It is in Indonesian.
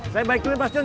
saya balik dulu pak sma